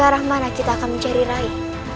arah mana kita akan mencari rai